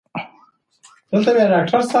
که ګلان وي نو تازه ګي نه ورکیږي.